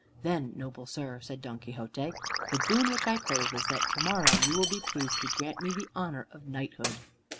"Then, noble sir," said Don Quixote, "the boon which I crave is that to morrow you will be pleased to grant me the honor of knighthood."